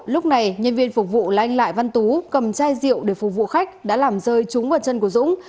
lúc này nhân viên phục vụ lanh lại văn tú cầm chai rượu để phục vụ khách đã làm rơi chúng vào chân của dũng